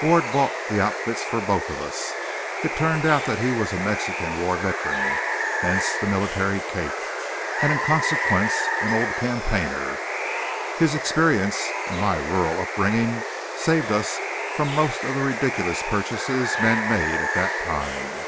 Ward bought the outfits for both of us. It turned out that he was a Mexican war veteran hence the military cape and in consequence an old campaigner. His experience and my rural upbringing saved us from most of the ridiculous purchases men made at that time.